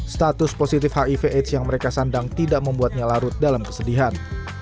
status positif hiv aids yang mereka sandang tidak membuatnya larut dalam kesedihan